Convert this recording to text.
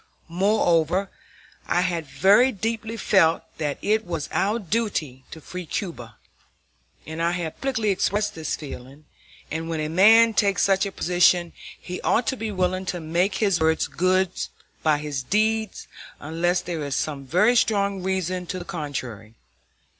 Moreover, I had very deeply felt that it was our duty to free Cuba, and I had publicly expressed this feeling; and when a man takes such a position, he ought to be willing to make his words good by his deeds unless there is some very strong reason to the contrary.